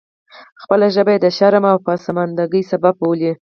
خپله ژبه یې د شرم او پسماندګۍ سبب بولي.